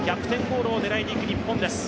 ゴールを狙いにいく日本です。